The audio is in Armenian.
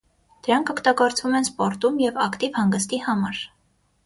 Դրանք օգտագործվում են սպորտում և ակտիվ հանգստի համար։